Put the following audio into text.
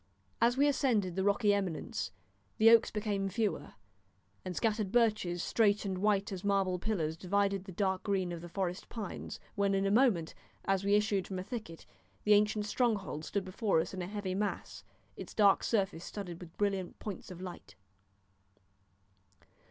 As we ascended the rocky eminence the oaks became fewer, and scattered birches, straight and white as marble pillars, divided the dark green of the forest pines, when in a moment, as we issued from a thicket, the ancient stronghold stood before us in a heavy mass, its dark surface studded with brilliant points of light.